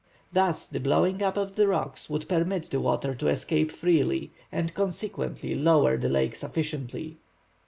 Thus the blowing up of the rocks would permit the water to escape freely and consequently lower the lake sufficiently.